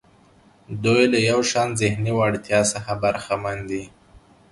دوی له یو شان ذهني وړتیا څخه برخمن دي.